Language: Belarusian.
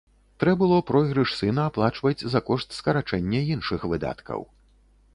Трэ было пройгрыш сына аплачваць за кошт скарачэння іншых выдаткаў.